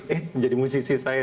eh jadi musisi saya